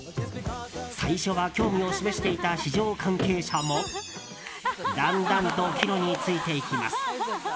最初は興味を示していた市場関係者もだんだんと帰路に就いていきます。